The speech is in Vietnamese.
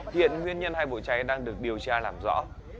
hiện nguyên nhân hai bộ cháy đang được điều tra làm rõ